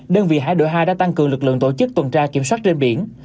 đơn vị hải đội hai đã tăng cường lực lượng tổ chức tuần tra kiểm soát trên biển